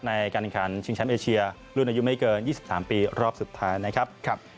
ในการแข่งขันชิงแชมป์เอเชียรุ่นอายุไม่เกิน๒๓ปีรอบสุดท้ายนะครับ